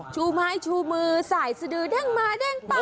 ชูไม้ชูมือสายสดือแดงมาแดงตา